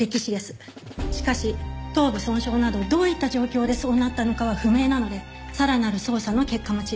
しかし頭部損傷などどういった状況でそうなったのかは不明なのでさらなる捜査の結果待ち。